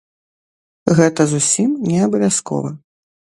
Гэта зусім не абавязкова.